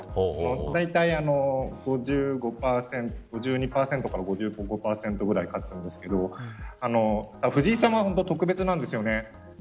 だいたい５２％から５５％くらい勝っちゃうんですけど藤井さんは本当に特別なんですよね。